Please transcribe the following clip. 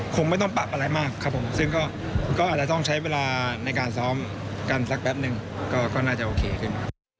คงไม่ต้องปรับอะไรมากครับผมซึ่งก็อาจจะต้องใช้เวลาในการซ้อมกันสักแป๊บหนึ่งก็น่าจะโอเคขึ้นครับ